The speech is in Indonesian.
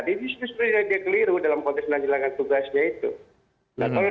jadi disuruh suruh dia keliru dalam konteks menjelangkan tugasnya itu